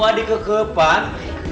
dibawa di kekepan